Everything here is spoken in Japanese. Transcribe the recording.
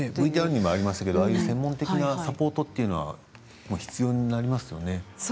ＶＴＲにもありましたけど専門的なサポートも必要になりますよね。